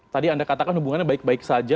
tadi anda katakan hubungannya baik baik saja